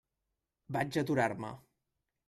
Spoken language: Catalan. Vaig aturar-me.